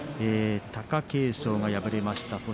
貴景勝が敗れました。